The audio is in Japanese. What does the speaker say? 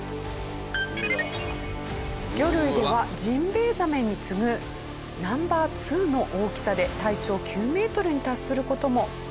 魚類ではジンベエザメに次ぐナンバー２の大きさで体長９メートルに達する事も。